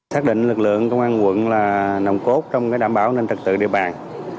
xác định lực lượng công an quận là nồng cốt trong đảm bảo nâng trật tự địa bàn